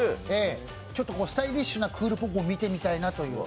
ちょっとスタイリッシュなクールポコを見てみたいなという。